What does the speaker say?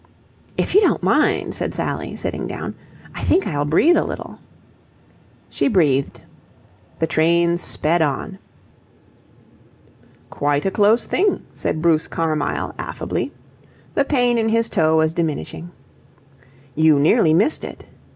"If you don't mind," said Sally, sitting down, "I think I'll breathe a little." She breathed. The train sped on. "Quite a close thing," said Bruce Carmyle, affably. The pain in his toe was diminishing. "You nearly missed it."